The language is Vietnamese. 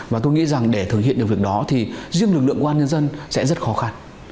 và tôi nghĩ rằng để thực hiện được việc đó thì riêng lực lượng công an nhân dân sẽ rất khó khăn